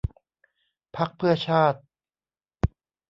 พรรคเพื่อชาติ